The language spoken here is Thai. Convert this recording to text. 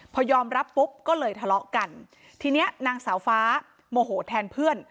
พอยอมรับปุ๊บก็เลยทะเลาะกันทีเนี้ยนางสาวฟ้าโมโหแทนเพื่อน